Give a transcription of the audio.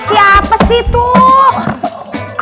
siapa sih tuh